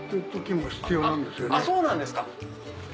そうなんですか。